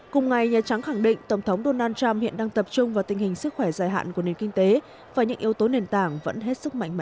cùng ngày nhà trắng khẳng định tổng thống donald trump hiện đang tập trung vào tình hình sức khỏe dài hạn của nền kinh tế và những yếu tố nền tảng vẫn hết sức mạnh mẽ